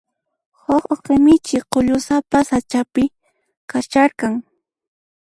Huk uqi michi k'ullusapa sach'api kasharqan.